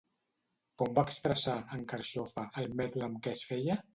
Com va expressar, en Carxofa, el mètode amb què es feia?